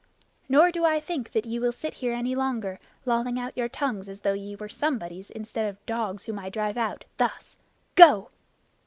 Nor do I think that ye will sit here any longer, lolling out your tongues as though ye were somebodies, instead of dogs whom I drive out thus! Go!"